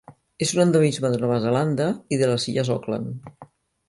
És un endemisme de Nova Zelanda i de les Illes Auckland.